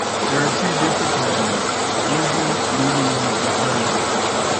There are three difficulties - easy, medium, and hard.